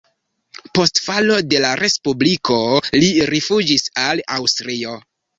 Post falo de la respubliko li rifuĝis al Aŭstrio.